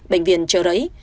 bệnh viện trợ rễ